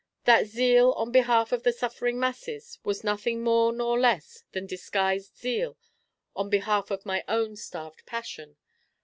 That zeal on behalf of the suffering masses was nothing more nor less than disguised zeal on behalf of my own starved passions.